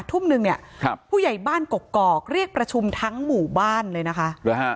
ทุ่มนึงเนี่ยครับผู้ใหญ่บ้านกกอกเรียกประชุมทั้งหมู่บ้านเลยนะคะหรือฮะ